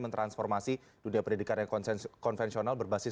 mentransformasi dunia pendidikan yang konvensional berbasis